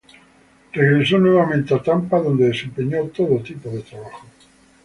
Regresó nuevamente a Tampa donde desempeñó todo tipo de trabajos.